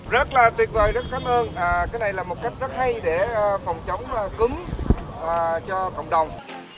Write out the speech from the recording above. rất là tuyệt vời rất cảm ơn cái này là một cách rất hay để phòng chống cúm cho cộng đồng